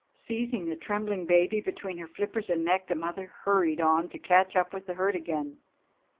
Seizing the trembling baby between her flippers and neck the mother hurried on to catch up with the herd again.